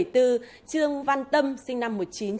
trương văn tâm sinh năm một nghìn chín trăm chín mươi